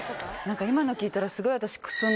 何か今の聞いたらすごい私。